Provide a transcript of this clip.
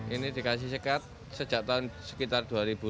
ini dikasih sekat sejak tahun sekitar dua ribu